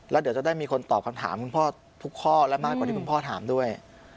แล้วเดี๋ยวจะได้มีคนตอบคำถามคุณพ่อทุกข้อและมากกว่าที่คุณพ่อถามด้วย